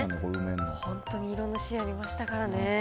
本当にいろんなシーンありましたからね。